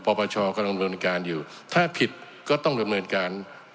ประชาการรับเนินการอยู่ถ้าผิดก็ต้องรับเนินการ